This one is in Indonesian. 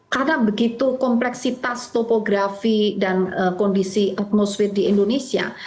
karena begitu kompleksitas topografi dan kondisi atmosfer di indonesia